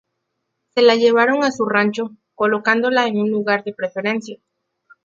Se la llevaron a su rancho, colocándola en un lugar de preferencia.